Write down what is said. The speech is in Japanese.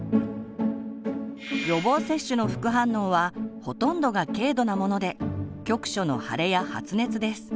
予防接種の副反応はほとんどが軽度なもので局所の腫れや発熱です。